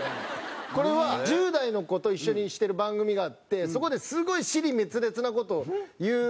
これは１０代の子と一緒にしてる番組があってそこですごい支離滅裂な事を言う子がいるんですよ。